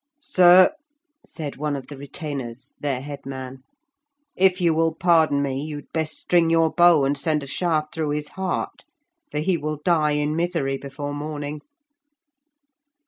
"Sir," said one of the retainers, their headman, "if you will pardon me, you had best string your bow and send a shaft through his heart, for he will die in misery before morning."